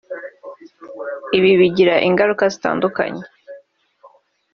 Ibi bigira ingaruka zitandukanye